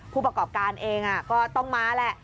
ผู้ประกอบการเองก็ต้องมาแหละ